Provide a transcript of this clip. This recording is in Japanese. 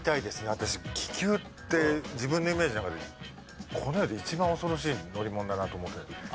私気球って自分のイメージの中でこの世で一番恐ろしい乗り物だなと思って。